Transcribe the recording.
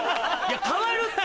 代わるって！